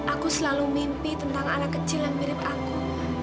aku selalu mimpi tentang anak kecil yang mirip aku